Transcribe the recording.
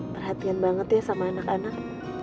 perhatikan mengerti sama anak anak